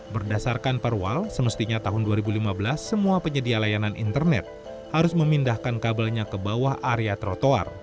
berdasarkan perwal semestinya tahun dua ribu lima belas semua penyedia layanan internet harus memindahkan kabelnya ke bawah area trotoar